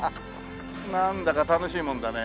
なんだか楽しいもんだね。